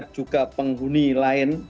juga penghuni lain